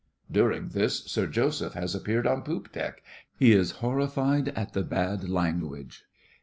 [During this, SIR JOSEPH has appeared on poop deck. He is horrified at the bad language.